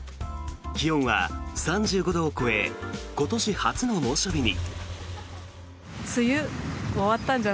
気温は３５度を超え今年初の猛暑日に。